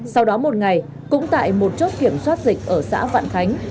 sau đó một ngày cũng tại một chốt kiểm soát dịch ở xã vạn khánh